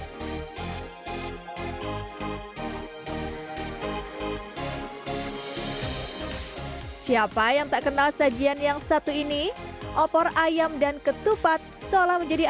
hai siapa yang tak kenal sajian yang satu ini opor ayam dan ketupat seolah menjadi